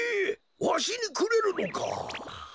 わしにくれるのか？